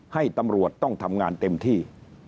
ให้ตำรวจต้องทำงานเต็มที่